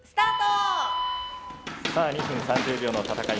さあ２分３０秒の戦い。